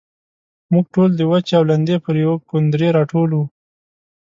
موږ ټول د وچې او لندې پر يوه کوندرې راټول وو.